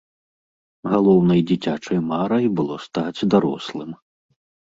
Галоўнай дзіцячай марай было стаць дарослым.